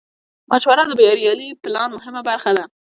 مشوره د بریالي پلان مهمه برخه ده.